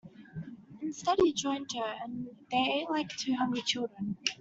Instead, he joined her; and they ate like two hungry children.